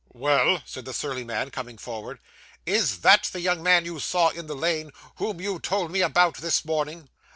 'Well?' said the surly man, coming forward. 'Is that the young man you saw in the lane, whom you told me about, this morning?